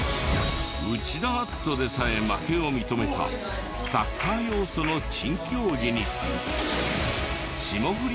内田篤人でさえ負けを認めたサッカー要素の珍競技に。